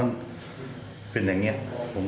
พี่ชายก็พูดว่าไงพี่ชายก็พูดว่าไง